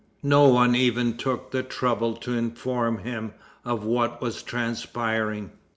No one even took the trouble to inform him of what was transpiring.